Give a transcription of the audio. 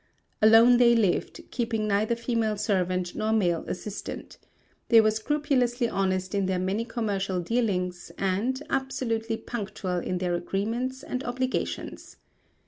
Alone they lived, keeping neither female servant nor male assistant. They were scrupulously honest in their many commercial dealings and, absolutely punctual in their agreements and obligations.